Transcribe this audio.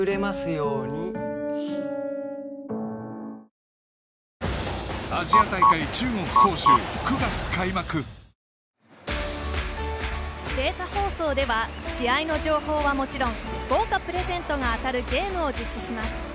こよい、青き侍たちがデータ放送では試合の情報はもちろん豪華プレゼントが当たるゲームを実施します。